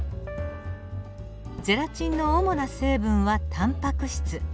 ゼラチンの主な成分はタンパク質。